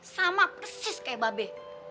sama persis kayak babe